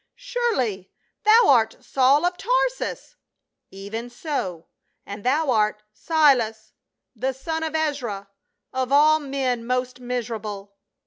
"Surely, thou art Saul of Tarsus !"" Even so, and thou art —" "Silas, the son of Ezra, of all men most misera ble."